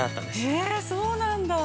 ◆へぇ、そうなんだ。